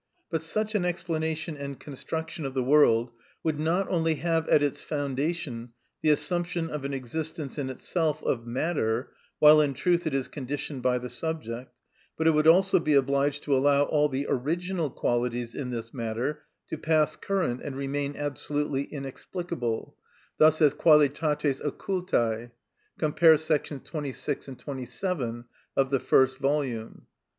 But such an explanation and construction of the world would not only have at its foundation the assumption of an existence in itself of matter (while in truth it is conditioned by the subject), but it would also be obliged to allow all the original qualities in this matter to pass current and remain absolutely inexplicable, thus as qualitates occultæ. (Cf. § 26, 27 of the first volume.)